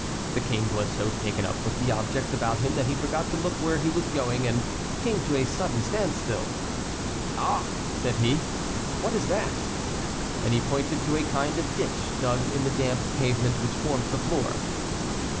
The king was so taken up with the objects about him that he forgot to look where he was going, and came to a sudden standstill. "Ah!" said he, "what is that?" And he pointed to a kind of ditch dug in the damp pavement which formed the floor.